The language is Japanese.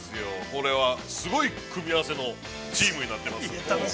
これはすごい組み合わせのチームになってますので。